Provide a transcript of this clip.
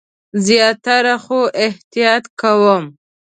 زیاتره، خو احتیاط کوم